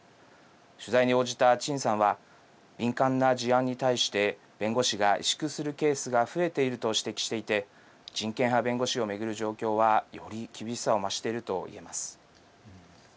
取材に応じた陳さんは敏感な事案に対して弁護士が萎縮するケースが増えていると指摘していて人権派弁護士を巡る状況はより厳しさを増しているといえます。